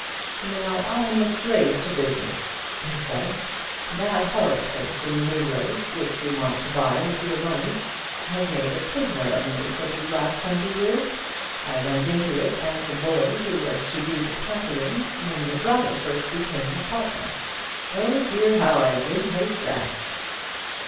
"Now I'm a slave to business," he said. "That horrid place in the New Road, which we want to buy with your money, has made a prisoner of me for the last twenty years. I went into it as the boy who was to do the copying, when your brother first became a partner. Oh dear, how I did hate it!"